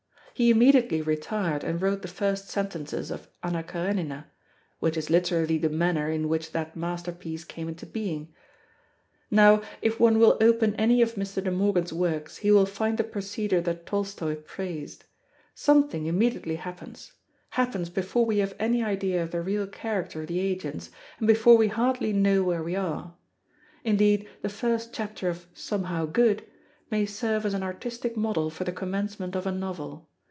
He immediately retired and wrote the first sentences of Anna Karenina; which is literally the manner in which that masterpiece came into being. Now if one will open any of Mr. De Morgan's works, he will find the procedure that Tolstoi praised. Something immediately happens happens before we have any idea of the real character of the agents, and before we hardly know where we are. Indeed, the first chapter of Somehow Good may serve as an artistic model for the commencement of a novel.